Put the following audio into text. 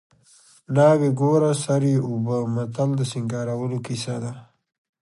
ناوې ګوره سر یې اوبه متل د سینګارولو کیسه ده